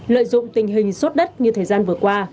lợi dụng tình hình sốt đất như thời gian vừa qua